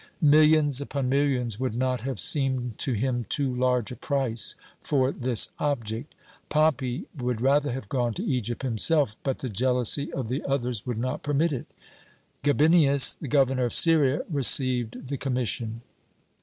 Millions upon millions would not have seemed to him too large a price for this object. Pompey would rather have gone to Egypt himself, but the jealousy of the others would not permit it. Gabinius, the Governor of Syria, received the commission.